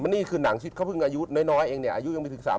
นี่คือหนังชิดเขาเพิ่งอายุน้อยเองเนี่ยอายุยังไม่ถึง๓๐